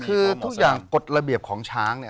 คือทุกอย่างกฎระเบียบของช้างเนี่ย